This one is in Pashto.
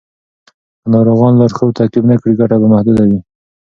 که ناروغان لارښود تعقیب نه کړي، ګټه به محدوده وي.